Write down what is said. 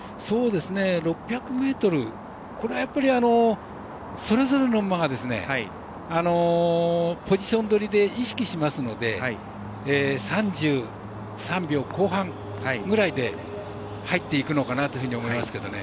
６００ｍ、これはそれぞれの馬がポジション取りで意識しますので３３秒後半ぐらいで入っていくのかなと思いますけどね。